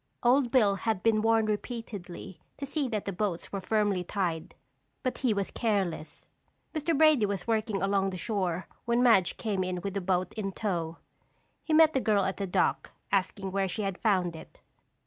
Old Bill had been warned repeatedly to see that the boats were firmly tied, but he was careless. Mr. Brady was working along the shore when Madge came in with the boat in tow. He met the girl at the dock, asking where she had found it.